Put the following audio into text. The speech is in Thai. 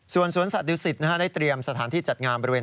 ส่วนสวนสัตว์ดุสิตนะฮะได้เตรียมสถานที่จัดงามบริเวณ